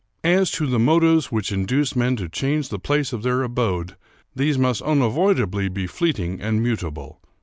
As to the motives which induce men to change the place of their abode, these must unavoidably be fleeting and muta ble.